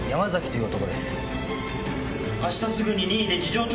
明日すぐに。